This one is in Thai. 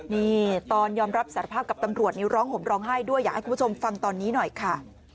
นี่ตอนยอมรับสารภาพกับตำรวจนี่ร้องห่มร้องไห้ด้วยอยากให้คุณผู้ชมฟังตอนนี้หน่อยค่ะ